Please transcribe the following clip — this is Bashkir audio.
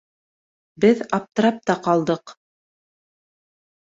Беҙ аптырап та ҡалдыҡ.